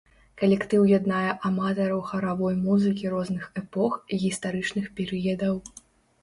Калектыў яднае аматараў харавой музыкі розных эпох і гістарычных перыядаў.